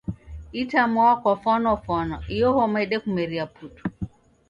Itamwaa kwafwanafwana iyo homa yedekumeria putu